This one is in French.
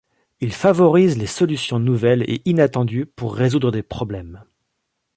Ils favorisent les solutions nouvelles et inattendues pour résoudre des problèmes.